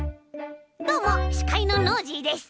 どうもしかいのノージーです！